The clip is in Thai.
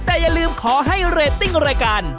แต่อย่าลืมขอให้เรตติ้งรายการ